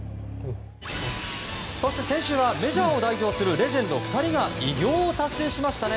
そして先週はメジャーを代表するレジェンド２人が偉業を達成しましたね